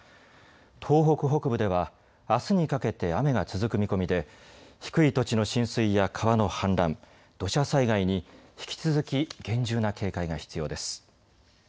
東北北部ではあすにかけて雨が続く見込みで低い土地の浸水や川の氾濫、土砂災害に引き続き厳重な警戒が必要です。